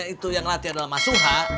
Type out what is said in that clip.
itu yang latih adalah mas suha